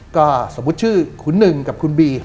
ก็สมมุติชื่อคุณหนึ่งกับคุณบี